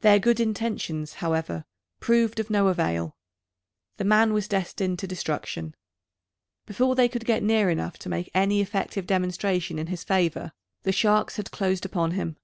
Their good intentions, however, proved of no avail. The man was destined to destruction. Before they could get near enough to make any effective demonstration in his favour, the sharks had closed upon him.